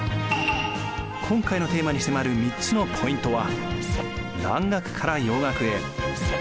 今回のテーマに迫る３つのポイントは。